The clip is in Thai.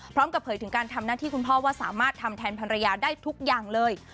เผยถึงการทำหน้าที่คุณพ่อว่าสามารถทำแทนภรรยาได้ทุกอย่างเลย